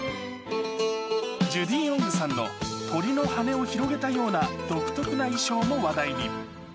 ジュディ・オングさんの鳥の羽を広げたような独特な衣装も話題に。